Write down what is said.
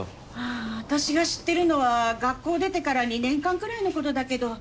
ああ私が知ってるのは学校出てから２年間くらいの事だけど。